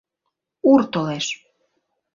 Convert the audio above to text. Ур толеш.